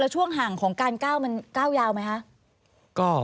ช่วงห่างของการก้าวมันก้าวยาวไหมคะ